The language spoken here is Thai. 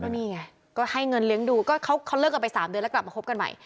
นี่ไงก็ให้เงินเลี้ยงดูก็เขาเลิกกันไป๓เดือนแล้วกลับมาคบกันใหม่